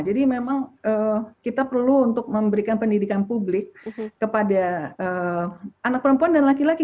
jadi memang kita perlu untuk memberikan pendidikan publik kepada anak perempuan dan laki laki